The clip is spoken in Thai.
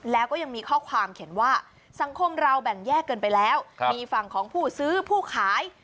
แล้วก็ยังมีข้อความเขียนว่าสังคมเราแบ่งแยกกันไปแล้วมีฝั่งของผู้ซื้อผู้ขาย